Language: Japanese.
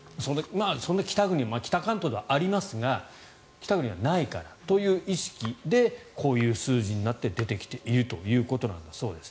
北関東ではありますが北国ではないからという意識でこういう数字になって出てきているということだそうです。